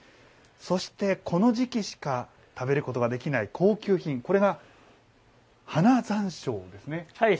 そして、この時期しか食べることができない高級品、花山椒ですね。